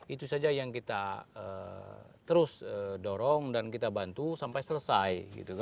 itu saja yang kita terus dorong dan kita bantu sampai selesai